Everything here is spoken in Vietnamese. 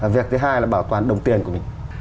việc thứ hai là bảo toàn đồng tiền của mình